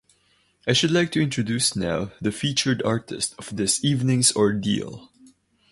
I should like to introduce now the featured artist of this evening's ordeal.